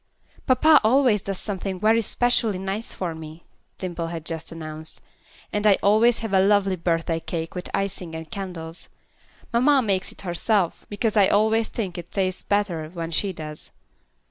"Papa always does something very specially nice for me," Dimple had just announced, "and I always have a lovely birthday cake with icing and candles. Mamma makes it herself, because I always think it tastes better when she does.